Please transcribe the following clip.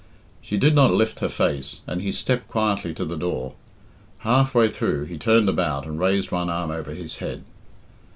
She did not lift her face, and he stepped quietly to the door. Half way through he turned about and raised one arm over his head.